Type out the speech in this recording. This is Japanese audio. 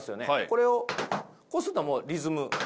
これをこうするとリズム。